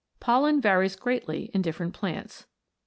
Pollen varies greatly in dif ferent plants.